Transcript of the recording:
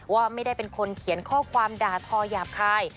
ว่าไม่ได้เป็นคนเขียนข้อความด่าทอหยาบคาย